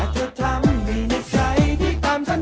ผู้ชายในฝัน